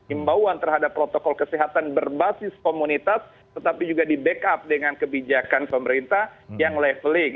imbauan terhadap protokol kesehatan berbasis komunitas tetapi juga di backup dengan kebijakan pemerintah yang leveling